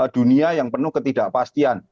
dunia yang penuh ketidakpastian